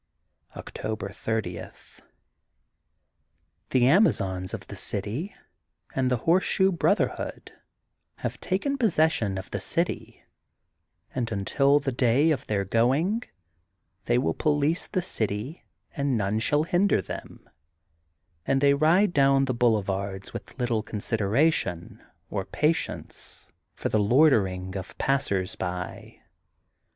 • October 30. — ^The Amazons of the city, and the Horseshoe Brotherhood have taken pos session of the city, and until the day of their going, they will police the city and none shall hinder them, and they ride down the boule vards with Utile consideration or patience for the loitering of passers by.